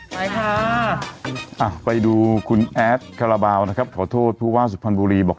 ไปค่ะไปดูคุณแอดคาราบาลนะครับขอโทษผู้ว่าสุพรรณบุรีบอก